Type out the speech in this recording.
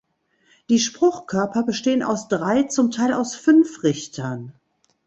Die Spruchkörper bestehen aus drei, zum Teil aus fünf Richtern.